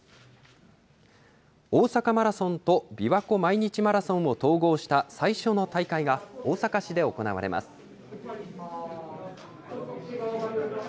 大阪マラソンと、びわ湖毎日マラソンを統合した最初の大会が大阪市で行われます。